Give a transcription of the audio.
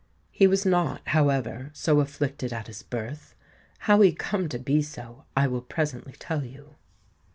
He was not, however, so afflicted at his birth: how he come to be so, I will presently tell you."